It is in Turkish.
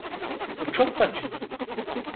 Bu çok basit.